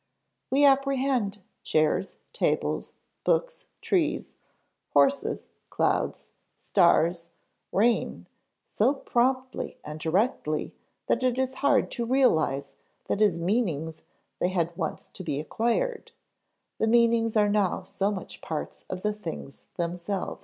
We apprehend chairs, tables, books, trees, horses, clouds, stars, rain, so promptly and directly that it is hard to realize that as meanings they had once to be acquired, the meanings are now so much parts of the things themselves.